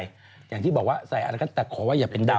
อย่างที่บอกว่าใส่อะไรก็แต่ขอว่าอย่าเป็นดำ